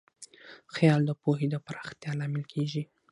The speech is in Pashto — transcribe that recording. خیال د پوهې د پراختیا لامل کېږي.